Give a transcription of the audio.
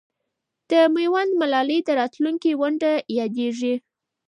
د میوند ملالۍ د اتلولۍ ونډه یادېږي.